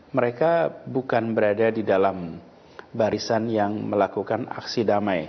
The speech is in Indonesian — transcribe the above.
mereka bukan berada di dalam barisan yang melakukan aksi damai